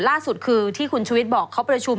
ล่าสุดคือที่คุณชุวิตบอกเขาประชุม